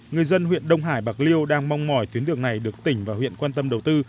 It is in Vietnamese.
người dân huyện đông hải bạc liêu đang mong mỏi tuyến đường này được tỉnh và huyện quan tâm đầu tư